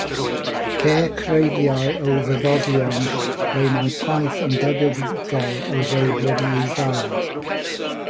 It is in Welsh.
Ceir creiddiau o ddyddodion ble mae paill yn debygol o fod wedi'i ddal.